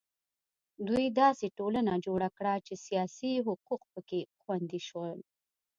دوی داسې ټولنه جوړه کړه چې سیاسي حقوق په کې خوندي شول.